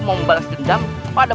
mau membalas dendam kepada